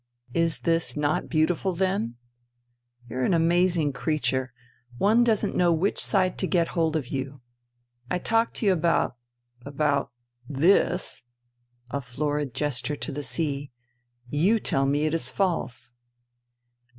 " Is this not beautiful then ? You're an amazing creature ! One doesn't know which side to get hold of you. I talk to you about ... about ... this " (a florid gesture to the sea). " You tell me it is false."